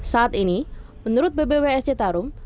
saat ini menurut bbwsc tarum